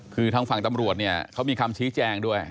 คือทางฝั่งตำรวจเนี่ยเขามีคำชี้แจงด้วย